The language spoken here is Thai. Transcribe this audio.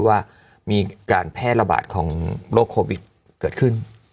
ว่ามีการแพร่ระบาดของโรคโควิดเกิดขึ้น